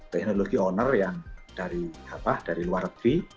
teknologi owner yang dari luar negeri